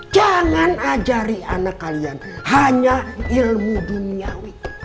jangan ajari anak kalian hanya ilmu duniawi